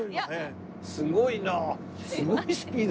すごいな。